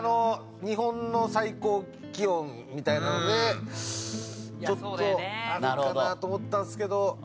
日本の最高気温みたいなのでちょっとあるかなと思ったんですけど。